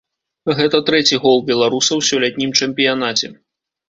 Гэта трэці гол беларуса ў сёлетнім чэмпіянаце.